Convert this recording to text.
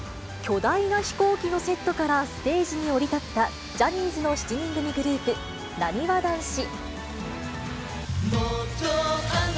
巨大な飛行機のセットからステージに降り立ったジャニーズの７人組グループ、なにわ男子。